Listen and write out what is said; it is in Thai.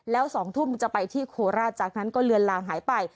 แล้ว๒ทุ่มจะไปที่โคราชจากนั้นก็เลือนลางหายไป